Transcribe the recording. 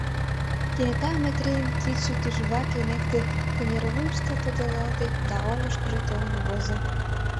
Кенета Метрийын кидше тӱжваке лекте, кынервуйышто тодылалте да оҥышкыжо толын возо.